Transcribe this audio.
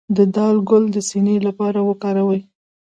د دال ګل د سینې لپاره وکاروئ